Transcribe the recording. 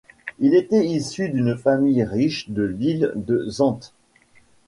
Il était issu d’une famille riche de l’île de Zante.